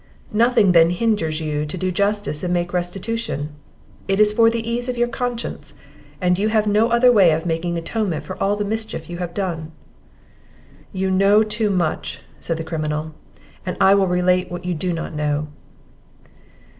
"Nothing, then, hinders you to do justice and make restitution; it is for the ease of your conscience; and you have no other way of making atonement for all the mischief you have done." "You know too much," said the criminal, "and I will relate what you do not know."